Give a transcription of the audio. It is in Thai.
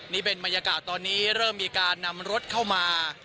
นี่เป็นบรรยากาศตอนนี้เริ่มมีการนำรถเข้ามา